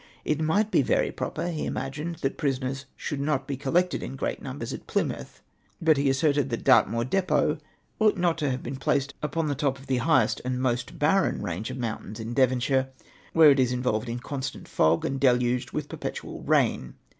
It might be very proper, he imagined, that prisoners should not be collected in great munbers at Plymouth, Ijut he asserted that Dartmoor depot ought not to have been placed upon the top of the highest and most barren range of mountains in Devonshire, where it is in volved in constant fog, and deluged with perpetual rain.